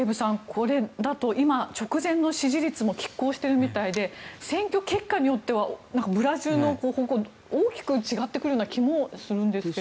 これだと今、直前の支持率もきっ抗しているみたいで選挙結果によってはブラジルの方向は大きく違ってくる気がするんですが。